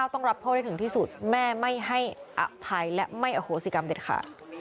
ต้องรับโทษให้ถึงที่สุดแม่ไม่ให้อภัยและไม่อโหสิกรรมเด็ดขาด